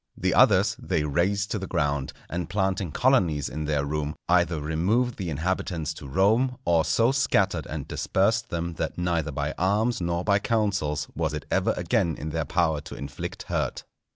The others they razed to the ground, and planting colonies in their room, either removed the inhabitants to Rome, or so scattered and dispersed them that neither by arms nor by counsels was it ever again in their power to inflict hurt.